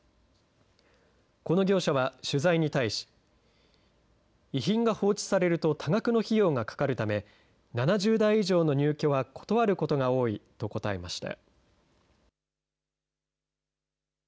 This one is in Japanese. この業者は取材に対し、遺品が放置されると多額の費用がかかるため、７０代以上の入居は断ることが多いと答えました。